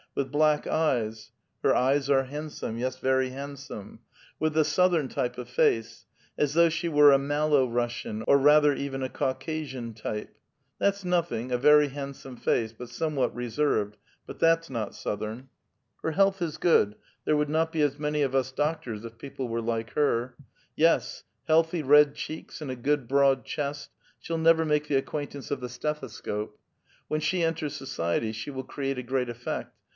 *'— with black eves — ''her eves are handsome, yes, very • ft ' ft* ' ft* handsome — with the Southern type of face — ''as though she were a Malo Russian, or rather even a Caucasian type ; that's notliing, a very handsome face, but somewhat reserved ; C/ ft but that's not Southern. Her health is good ; there would not be as many of us doctors if people were hke her. Yes, healthy red cheeks and a good broad chest, she'll never make the acquaintiince of the stethoscope. AVhen she entera so ciety she will create a great effect.